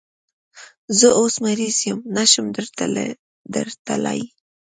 زه اوس مریض یم، نشم درتلای